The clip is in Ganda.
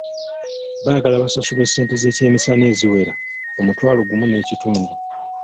Baagala basasulwe ssente z'ekyemisana eziwera omutwalo gumu n'ekitundu.